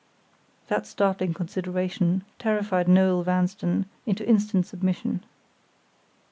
That startling consideration terrified Noel Vanstone into instant submission.